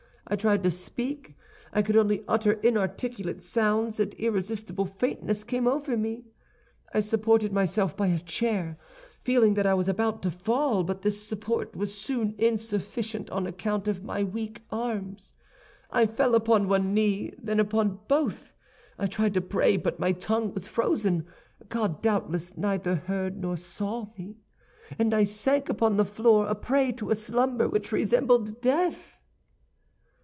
I tried to speak. I could only utter inarticulate sounds, and irresistible faintness came over me. I supported myself by a chair, feeling that I was about to fall, but this support was soon insufficient on account of my weak arms. I fell upon one knee, then upon both. I tried to pray, but my tongue was frozen. God doubtless neither heard nor saw me, and I sank upon the floor a prey to a slumber which resembled death.